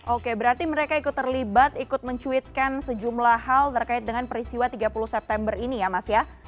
oke berarti mereka ikut terlibat ikut mencuitkan sejumlah hal terkait dengan peristiwa tiga puluh september ini ya mas ya